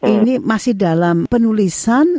ini masih dalam penulisan